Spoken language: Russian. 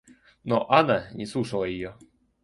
Но Анна не слушала ее.